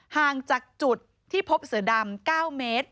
ห่างจากจุดที่พบเสือดำ๙เมตร